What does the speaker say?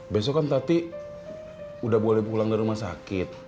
besok kan tati udah boleh pulang ke rumah sakit